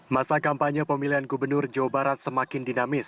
masa kampanye pemilihan gubernur jawa barat semakin dinamis